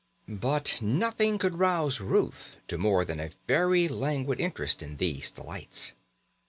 But nothing could rouse Ruth to more than a very languid interest in these delights.